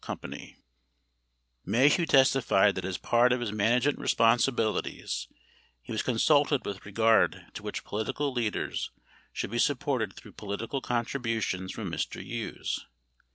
5 Maheu testified that as part of his management responsibilities, he was consulted with regard to which political leaders should be sup ported through political contributions from Mr. Hughes.